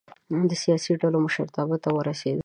د سیاسي ډلو مشرتابه ته ورسېدل.